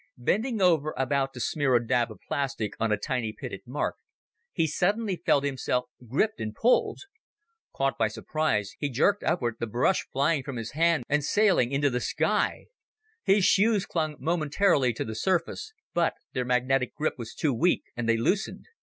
Bending over, about to smear a dab of plastic on a tiny pitted mark, he suddenly felt himself gripped and pulled. Caught by surprise, he jerked upward, the brush flying from his hand and sailing into the sky. His shoes clung momentarily to the surface, but their magnetic grip was too weak, and they loosened.